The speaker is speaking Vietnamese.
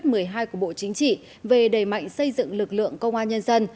trường cao đảng an ninh nhân dân ii của bộ chính trị về đẩy mạnh xây dựng lực lượng công an nhân dân